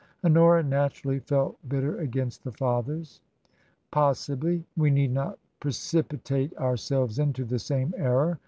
Honora naturally felt bitter against the Fathers. "Possibly. We need not precipitate ourselves into the same error.